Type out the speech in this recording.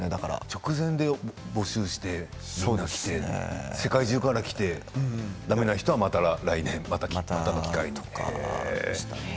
直前で募集して世界中から来てだめな人は、また来年来てということで。